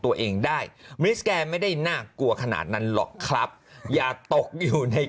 ตัวเองได้มิสแกนไม่ได้น่ากลัวขนาดนั้นหรอกครับอย่าตกอยู่ใน